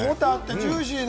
ジューシーで。